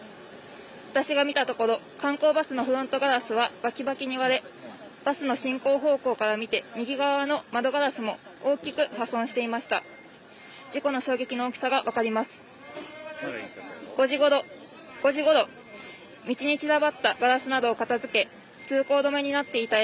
私が見たところ、観光バスのフロントガラスはバキバキに割れバスの進行方向から見て、右側の窓ガラスも大きく破損していました。